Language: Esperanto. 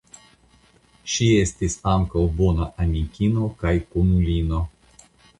Ŝi estis ankaŭ bona amikino kaj kunulino.